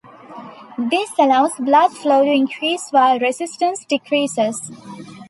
This allows blood flow to increase while resistance decreases.